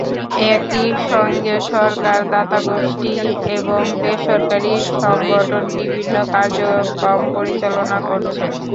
একই সঙ্গে সরকার, দাতাগোষ্ঠী এবং বেসরকারি সংগঠন বিভিন্ন কার্যক্রম পরিচালনা করছে।